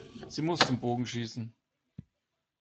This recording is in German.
Sie muss zum Bogenschießen.